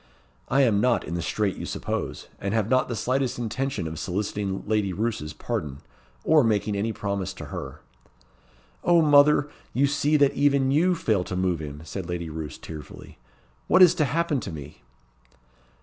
"I am not in the strait you suppose; and have not the slightest intention of soliciting Lady Roos's pardon, or making any promise to her." "O mother! you see that even you fail to move him," said Lady Roos, tearfully. "What is to happen to me?"